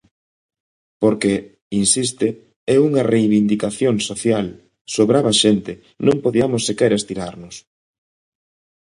Porque, insiste, é unha reivindicación social, sobraba xente, non podiamos sequera estirarnos.